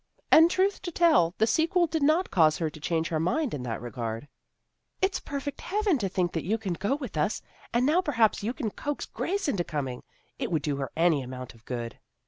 And truth to tell, the sequel did not cause her to change her mind in that regard. " It's perfectly heavenly to think that you can go with us. And now perhaps you can coax Grace into coming. It would do her any amount of good."